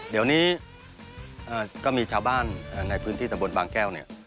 เดี๋ยวนี้ก็มีชาวบ้านในพื้นที่ตะบนบางแก้วเนี่ย